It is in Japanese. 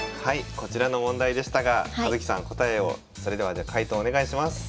こちらの問題でしたが葉月さん答えをそれではじゃあ解答お願いします。